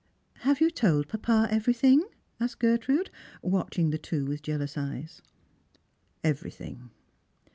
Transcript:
" Have you told papa everything," asked Gertrude, watching the two with jealous eyes. " Everything."